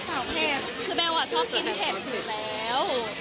เผ็ดคือเบลชอบกินเผ็ดอยู่แล้ว